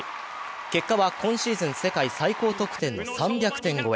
結果は今シーズン世界最高得点の３００点超え。